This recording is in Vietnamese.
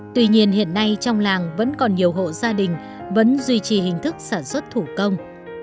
tuy nhiên hiện nay trong làng vẫn còn nhiều hộ gia đình vẫn duy trì hình thức sản xuất thủ công